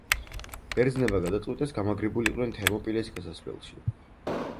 ბერძნებმა გადაწყვიტეს გამაგრებულიყვნენ თერმოპილეს გასასვლელში.